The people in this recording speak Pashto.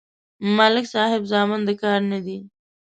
د ملک صاحب زامن د کار نه دي.